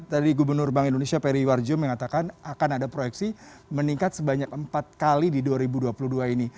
tadi gubernur bank indonesia periwarjo mengatakan akan ada proyeksi meningkat sebanyak empat kali di dua ribu dua puluh dua ini